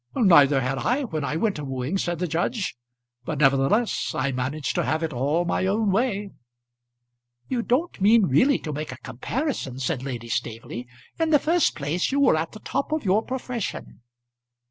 "Neither had I, when I went a wooing," said the judge. "But, nevertheless, I managed to have it all my own way." "You don't mean really to make a comparison?" said Lady Staveley. "In the first place you were at the top of your profession."